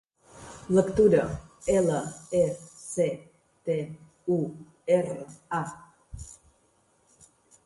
Lectura: ela, e, ce, te, u, erra, a.